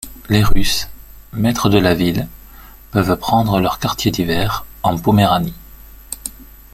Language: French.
Les Russes, maîtres de la ville, peuvent prendre leurs quartiers d'hiver en Poméranie.